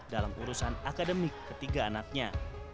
dalam urusan akademik ketiga anaknya